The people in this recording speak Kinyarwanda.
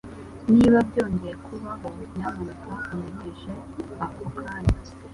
Niba byongeye kubaho, nyamuneka umenyeshe ako kanya.